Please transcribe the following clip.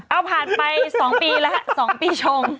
เอาผ่านไปสองปีแล้ว่าสองปีชง